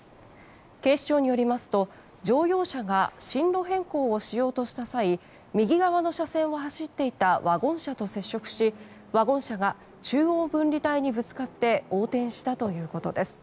警視庁によりますと乗用車が進路変更をしようとした際右側の車線を走っていたワゴン車と接触しワゴン車が中央分離帯にぶつかって横転したということです。